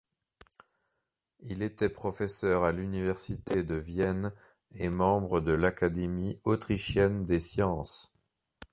Il était professeur à l'Université de Vienne et membre de l'Académie autrichienne des sciences.